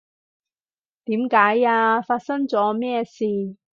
點解呀？發生咗咩事？